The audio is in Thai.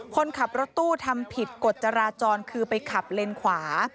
คนขับรถตู้ทำผิดกฎจราจรคือไปขับเลนขวา